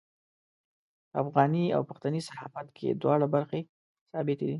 په افغاني او پښتني صحافت کې دواړه برخې ثابتې دي.